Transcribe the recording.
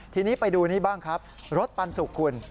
ทีนี้ไปดูนี้บ้างครับรถปันสุกคุณ